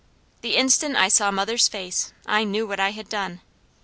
The instant I saw mother's face, I knew what I had done.